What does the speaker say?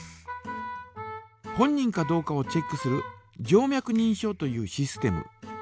本人かどうかをチェックする静脈にんしょうというシステム。